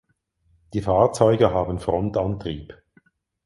Die Fahrzeuge haben Frontantrieb.